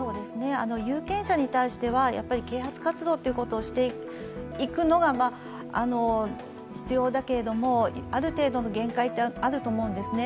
有権者に対しては、啓発活動ということをしていくのが必要だけれどある程度の限界はあると思うんですね。